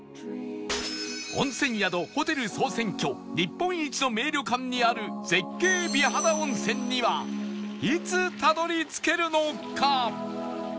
温泉宿・ホテル総選挙日本一の名旅館にある絶景美肌温泉にはいつたどり着けるのか？